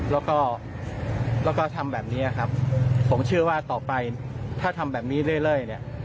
แล้วก็ทำแบบนี้ครับผมเชื่อว่าต่อไปถ้าทำแบบนี้เรื่อยเนี่ย